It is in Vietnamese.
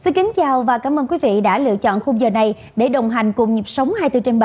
xin kính chào và cảm ơn quý vị đã lựa chọn khung giờ này để đồng hành cùng nhịp sống hai mươi bốn trên bảy